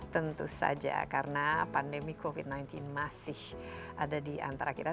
tentu saja karena pandemi covid sembilan belas masih ada di antara kita